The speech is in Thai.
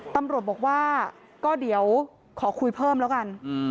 ตำรวจบอกว่าก็เดี๋ยวขอคุยเพิ่มแล้วกัน